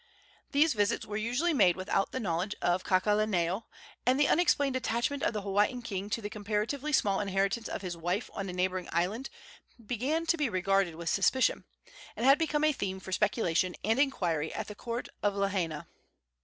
These visits were usually made without the knowledge of Kakaalaneo, and the unexplained attachment of the Hawaiian king to the comparatively small inheritance of his wife on a neighboring island began to be regarded with suspicion, and had become a theme for speculation and inquiry at the court of Lahaina.